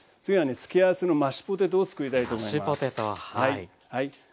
付け合わせのマッシュポテトをつくりたいと思います。